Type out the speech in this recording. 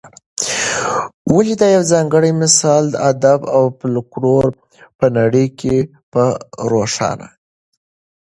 ولي دا یوځانګړی مثال د ادب او فلکلور په نړۍ کي په روښانه